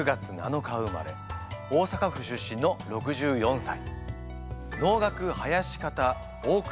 大阪府出身の６４歳。